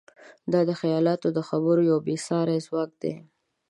دا د خیالاتو د خبرو یو بېساری ځواک دی.